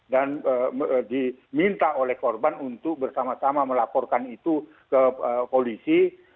dan diminta oleh korban untuk bersama sama melaporkan itu ke polisi